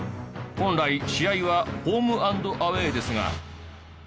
本来試合はホーム・アンド・アウェーですが。